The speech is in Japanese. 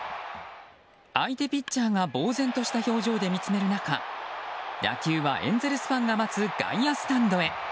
相手ピッチャーがぼうぜんとした表情で見つめる中打球はエンゼルスファンが待つ外野スタンドへ。